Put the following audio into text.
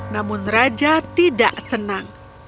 namun raja tidak senang